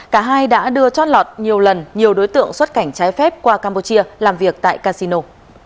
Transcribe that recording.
cả hai đã đưa chót lọt nhiều lần nhiều đối tượng xuất cảnh trái phép qua campuchia làm việc tại casino